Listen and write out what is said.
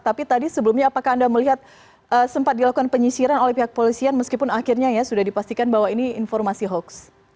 tapi tadi sebelumnya apakah anda melihat sempat dilakukan penyisiran oleh pihak polisian meskipun akhirnya ya sudah dipastikan bahwa ini informasi hoax